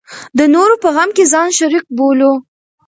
د نورو په غم کې ځان شریک بولو.